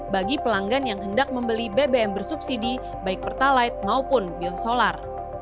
bagi pelanggan yang hendak membeli bbm bersubsidi baik pertalite maupun biosolar